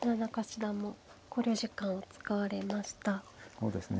そうですね。